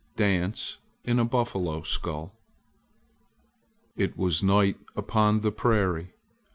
DANCE IN A BUFFALO SKULL IT was night upon the prairie.